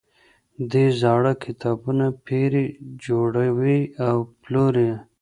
دی زاړه کتابونه پيري، جوړوي او پلوري.